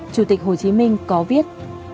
chủ tịch hồ chí minh có viết